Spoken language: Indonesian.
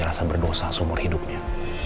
rasa berdosa seumur hidupnya